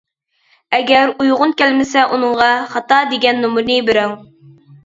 ئەگەر ئۇيغۇن كەلمىسە ئۇنىڭغا «خاتا» دېگەن نومۇرنى بىرىڭ.